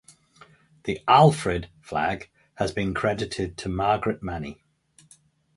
The "Alfred" flag has been credited to Margaret Manny.